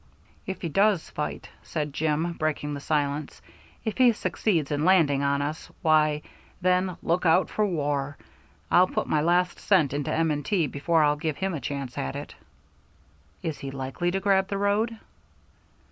"If he does fight," said Jim, breaking the silence, "if he succeeds in landing on us, why, then, look out for war. I'll put my last cent into M. & T. before I'll give him a chance at it." "Is he likely to grab the road?"